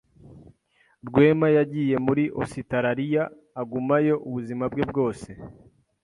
Rwema yagiye muri Ositaraliya agumayo ubuzima bwe bwose.